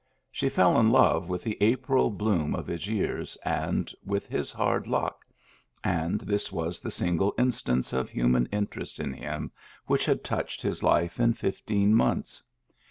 She fell in love with the April bloom of his years and with his hard luck — and this was the single instance of human interest in him which had touched his life in fifteen months.